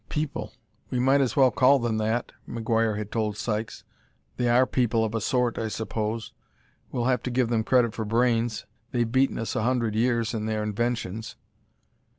"People! we might as well call them that," McGuire had told Sykes; "they are people of a sort, I suppose. We'll have to give them credit for brains: they've beaten us a hundred years in their inventions."